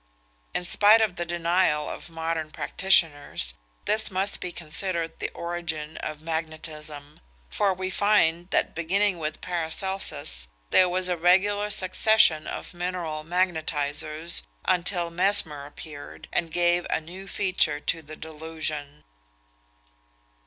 In spite of the denial of modern practitioners, this must be considered the origin of magnetism; for we find that, beginning with Paracelsus, there was a regular succession of mineral magnetisers until Mesmer appeared, and gave a new feature to the delusion.